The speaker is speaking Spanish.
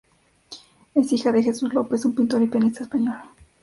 Es hija de Jesús López, un pintor y pianista español.